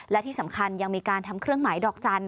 และที่สำคัญยังมีการทำเครื่องหมายดอกจันท